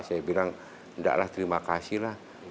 saya bilang enggak lah terima kasih lah